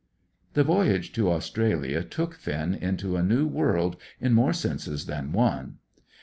The voyage to Australia took Finn into a new world in more senses than one.